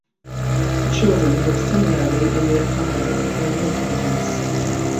The children were similarly in the attire of their new kingdoms.